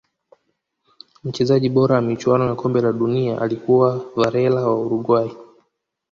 mchezaji bora wa michuano ya kombe la dunia alikuwa varela wa Uruguay